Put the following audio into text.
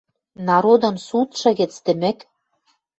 Народын судшы гӹц тӹмӹк.